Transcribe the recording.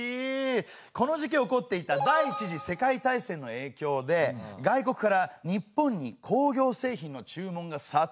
この時期起こっていた第一次世界大戦のえいきょうで外国から日本に工業製品の注文が殺到します。